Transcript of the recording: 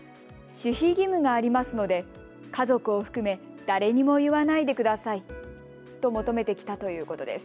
守秘義務がありますので家族を含め誰にも言わないでくださいと求めてきたということです。